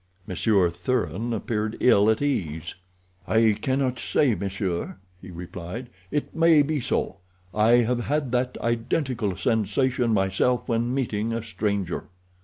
Monsieur Thuran appeared ill at ease. "I cannot say, monsieur," he replied. "It may be so. I have had that identical sensation myself when meeting a stranger."